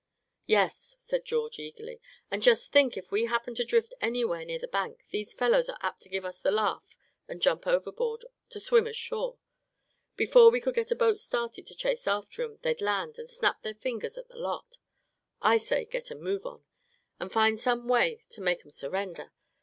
"Yes," said George, eagerly, "and just think if we happen to drift anywhere near the bank these fellows are apt to give us the laugh and jump overboard, to swim ashore. Before we could get a boat started to chase after 'em they'd land, and snap their fingers at the lot. I say get a move on, and find some way to make 'em surrender.